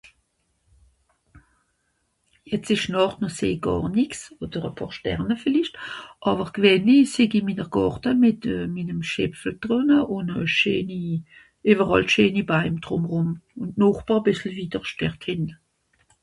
het esch nàcht nò seh gàr nìx etter à pààr Starne villicht òder g'wäni sìg'i minner Gàrte mìt euh mìnnem Schäpfel... ùn eu scheeni ìweràll scheeni Baïm drùmherùm ùn d'Nòchbr à bìssle wiederscht dert hìnt